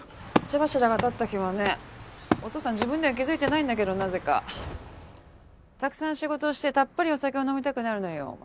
茶柱が立った日はねお父さん自分では気付いてないんだけどなぜかたくさん仕事をしてたっぷりお酒を飲みたくなるのよ。